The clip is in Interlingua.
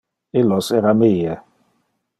Illos era mie.